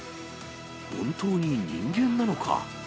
本当に人間なのか。